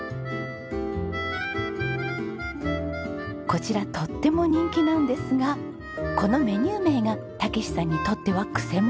こちらとっても人気なんですがこのメニュー名が健さんにとってはくせものなんです。